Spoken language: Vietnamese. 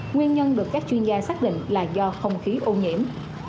nguyên nhân được các chuyên gia xác định là do không khí ô nhiễm